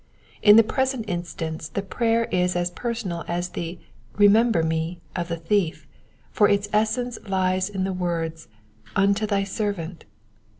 3 the present instance the prayer is as personal as the Remember me" of the thief, for Its essence lies in the words —'* unto thy servant."